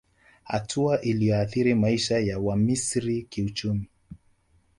Hatua iliyoathiri maisha ya Wamisri kiuchumi